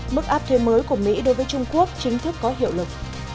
mức áp thuê mới của mỹ đối với trung quốc chính thức có hiệu lực